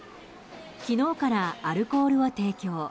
昨日からアルコールを提供。